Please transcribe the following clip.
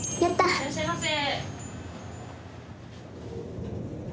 ・いらっしゃいませ。